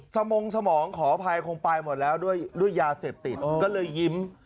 มงสมองขออภัยคงไปหมดแล้วด้วยยาเสพติดก็เลยยิ้ม